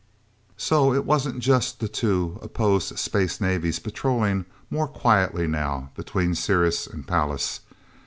So it wasn't just the two, opposed space navies patrolling, more quietly now, between Ceres and Pallas.